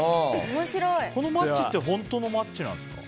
このマッチって本当のマッチなんですか？